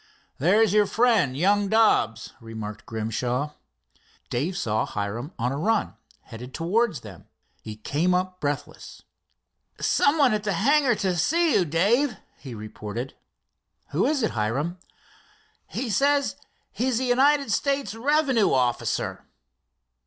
"There's your friend, young Dobbs," remarked Grimshaw. Dave saw Hiram on a run, headed towards them. He came up breathless. "Some one at the hangar to see you, Dave," he reported. "Who is it, Hiram?" "He says he's a United States revenue officer."